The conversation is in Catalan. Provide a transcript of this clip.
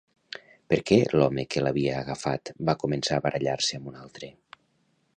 Per què l'home que l'havia agafat va començar a barallar-se amb un altre?